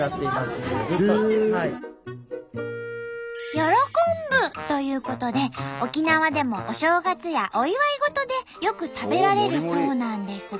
「よろこんぶ」ということで沖縄でもお正月やお祝い事でよく食べられるそうなんですが。